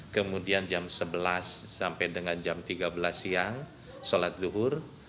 kemudian jam sebelas sampai dengan jam tiga belas siang sholat zuhur